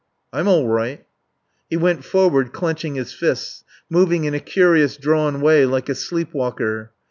"I'm all right." He went forward, clenching his fists; moving in a curious drawn way, like a sleep walker.